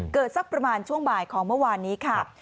สักประมาณช่วงบ่ายของเมื่อวานนี้ค่ะ